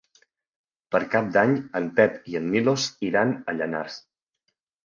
Per Cap d'Any en Pep i en Milos iran a Llanars.